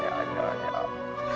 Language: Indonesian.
apa yang terjadi